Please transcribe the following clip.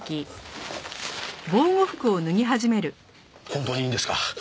本当にいいんですか？